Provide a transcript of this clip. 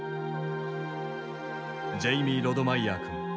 ジェイミー・ロドマイヤー君。